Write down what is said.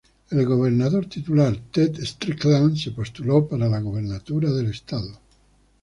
El gobernador titular Ted Strickland se postuló para la gobernatura del estado.